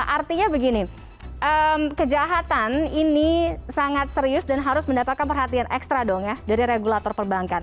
artinya begini kejahatan ini sangat serius dan harus mendapatkan perhatian ekstra dong ya dari regulator perbankan